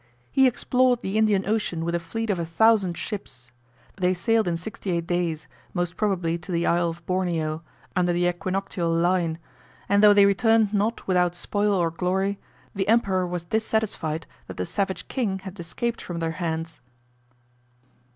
He explored the Indian Ocean with a fleet of a thousand ships: they sailed in sixty eight days, most probably to the Isle of Borneo, under the equinoctial line; and though they returned not without spoil or glory, the emperor was dissatisfied that the savage king had escaped from their hands.